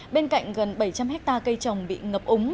bên cạnh gần bảy trăm linh hectare cây trồng bị ngập úng